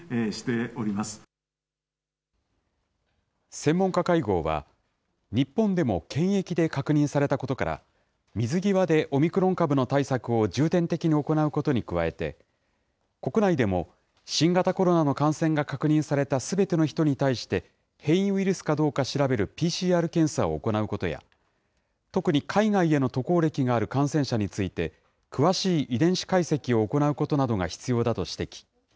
専門家会合は、日本でも検疫で確認されたことから、水際でオミクロン株の対策を重点的に行うことに加えて、国内でも新型コロナの感染が確認されたすべての人に対して、変異ウイルスかどうか調べるＰＣＲ検査を行うことや、特に海外への渡航歴がある感染者について、詳しい遺伝子解析を行うことなどが必要だと指摘。